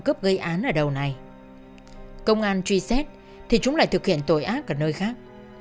công an truy xét thì chúng lại thực hiện tội ác ở nơi khác